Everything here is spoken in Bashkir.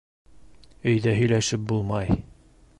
Өйҙә һөйләшеп булмай...